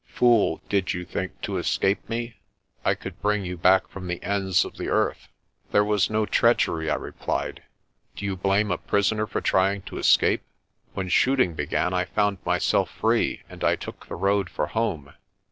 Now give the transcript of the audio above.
"Fool, did you think to escape me? I could bring you back from the ends of the earth." "There was no treachery," I replied. "Do you blame a prisoner for trying to escape? When shooting began I found myself free and I took the road for home.